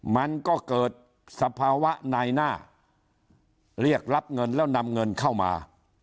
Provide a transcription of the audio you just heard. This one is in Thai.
มันก็เกิดสภาวะนายหน้าเรียกรับเงินแล้วนำเงินเข้ามา